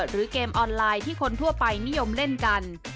หรือเกมออนไลน์ที่คนทั่วไปนิยมเล่นกัน